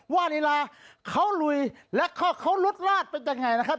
ว่านีลาเขาหลุยและก็เขารุดราดเป็นอย่างไรนะครับ